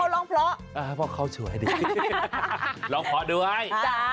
รองพยาบาลก็ไม่ได้